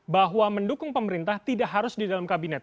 bahwa mendukung pemerintah tidak harus di dalam kabinet